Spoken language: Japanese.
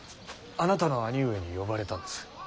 あなたの兄上に呼ばれたんです。